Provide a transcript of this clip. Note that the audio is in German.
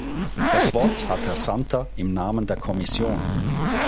Das Wort hat Herr Santer in Namen der Kommission.